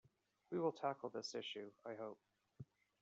We will tackle this issue, I hope.